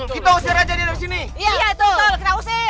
kita usir aja dia dari sini